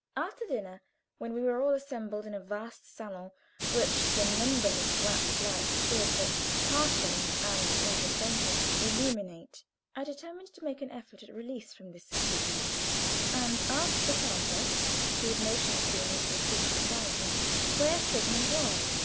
After dinner, when we were all assembled in a vast salon which the numberless wax lights did but partially and in the center illuminate, I determined to make an effort at release from this seclusion, and asked the countess (who had motioned me to a seat beside her) where Sigmund was.